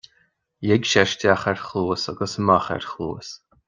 Lig sé isteach ar chluas agus amach ar chluas